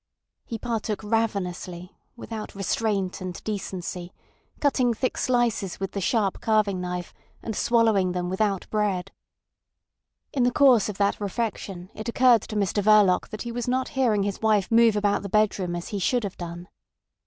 He partook ravenously, without restraint and decency, cutting thick slices with the sharp carving knife, and swallowing them without bread. In the course of that refection it occurred to Mr Verloc that he was not hearing his wife move about the bedroom as he should have done.